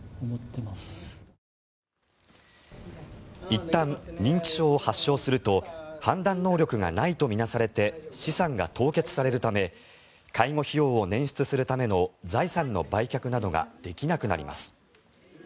いったん認知症を発症すると判断能力がないと見なされて資産が凍結されるため介護費用を捻出するための財産の売却などができなくなります。